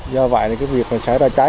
do vậy việc xảy ra trái